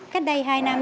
cách đây hai năm